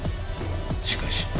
しかし。